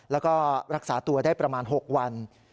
แล้วก็รักษาตัวได้ประมาณ๖วัน